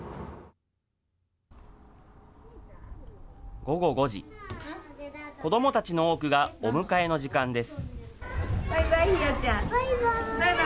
午後５時、子どもたちの多くがお迎えの時間です。